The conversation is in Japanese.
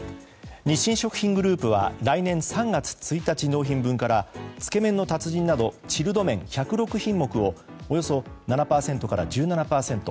日清食品グループは来年３月１日納品分からつけ麺の達人などチルド麺１０６品目をおよそ７％から１７％。